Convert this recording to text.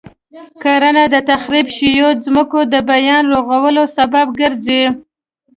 کرنه د تخریب شويو ځمکو د بیا رغولو سبب ګرځي.